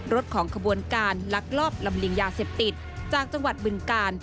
รถของขบวนการลักลอบลำเลียงยาเสพติดจากจังหวัดบึงกาล